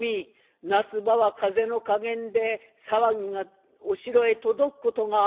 夏場は風の加減で騒ぎがお城へ届くことがある。